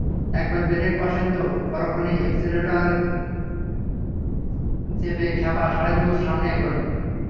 একবার ব্রেক কষেন তো, পরক্ষণে এক্সেলারেটর চেপে খ্যাপা ষাঁড়ের মতো সামনে এগোন।